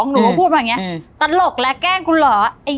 หนูก็พูดแบบนี้ตลกแล้วแกล้งคุณหรอไอ้นิ